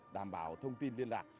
đảm bảo thông tin liên lạc